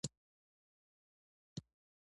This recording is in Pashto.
سیاسي شخړو سیوري لاندې شوي.